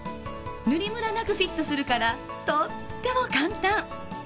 塗りムラなくフィットするからとっても簡単。